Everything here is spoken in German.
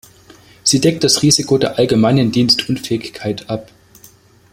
Sie deckt das Risiko der allgemeinen Dienstunfähigkeit ab.